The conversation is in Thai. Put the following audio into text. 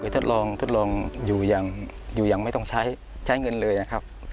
ทดลองทดลองอยู่อย่างไม่ต้องใช้ใช้เงินเลยนะครับ